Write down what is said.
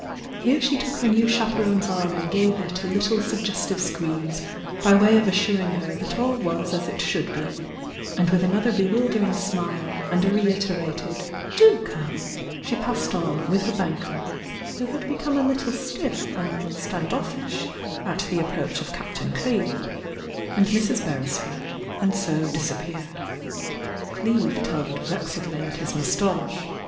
Here she took her new chaperone's arm and gave it a little suggestive squeeze, by way of assuring her that all was as it should be, — and with another bewildering smile, and a reiterated "Do come!" she passed on, with her banker (who had become a little stiff and 8tando£5sh at the approach of Captain Cleeve) and Mrs. Beresford, and so disappeared. Cleeve tugged vexedly at his :;.oustache.